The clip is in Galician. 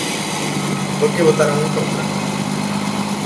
¿E por que votaron en contra?